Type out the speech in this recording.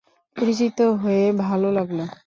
পরিচিত হয়ে ভাল লাগল।